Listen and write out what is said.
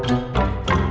terima kasih bang